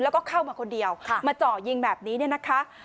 แล้วก็เข้ามาคนเดียวมาเจาะยิงแบบนี้เนี่ยนะคะ